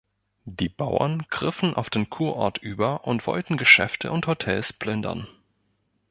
Die Bauern griffen auf den Kurort über und wollten Geschäfte und Hotels plündern.